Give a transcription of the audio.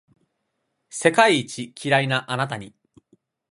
世界一キライなあなたに